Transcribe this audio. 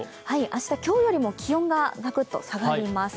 明日、今日よりも気温がガクッと下がります。